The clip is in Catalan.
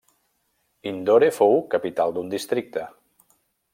Indore fou capital d'un districte.